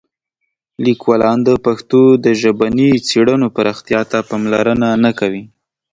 لیکوالان د پښتو د ژبني څېړنو پراختیا ته پاملرنه نه کوي.